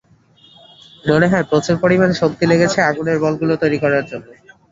মনে হয় প্রচুর পরিমাণ শক্তি লেগেছে, আগুনের বলগুলো তৈরি করার জন্য।